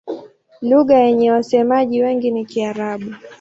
Lugha yenye wasemaji wengi ni Kiarabu.